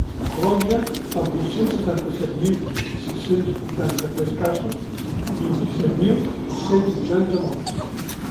Colòmbia, amb vuit-cents setanta-set mil sis-cents vuitanta-tres casos i vint-i-set mil cent vuitanta morts.